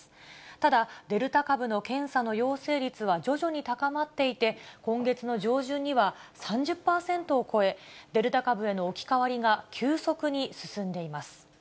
ただ、デルタ株の検査の陽性率は徐々に高まっていて、今月の上旬には３０％を超え、デルタ株への置き換わりが急速に進んでいます。